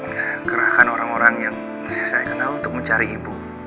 mengerahkan orang orang yang diselesaikan tahu untuk mencari ibu